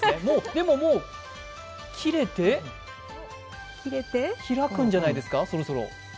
でももう、切れて開くんじゃないですか、そろそろ。